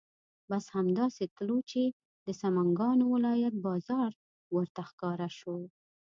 بس همدا سې تلو چې د سمنګانو ولایت بازار ورته ښکاره شو.